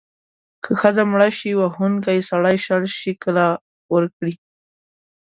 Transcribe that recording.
که ښځه مړه شي، وهونکی سړی شل شِکِله ورکړي.